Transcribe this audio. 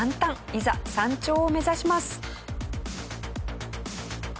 いざ山頂を目指します。